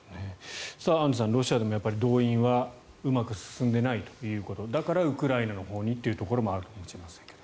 アンジュさん、ロシアでも動員はうまく進んでいないということだからウクライナのほうにというところもあるかもしれませんが。